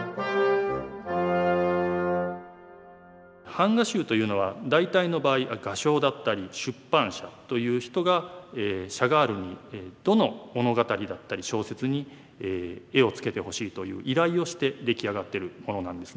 版画集というのは大体の場合画商だったり出版社という人がシャガールにどの物語だったり小説に絵をつけてほしいという依頼をして出来上がってるものなんですね。